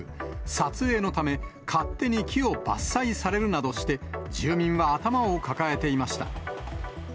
撮影のため、勝手に木を伐採されるなどして、住民は頭を抱えていました。